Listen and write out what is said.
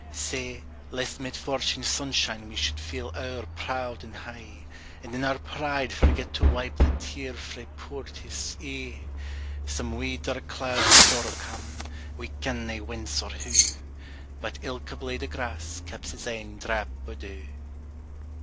Sae, lest 'mid fortune's sunshine we should feel owre proud and hie, And in our pride forget to wipe the tear frae poortith's ee, Some wee dark clouds o' sorrow come, we ken na whence or hoo, But ilka blade o' grass keps its ain drap o' dew.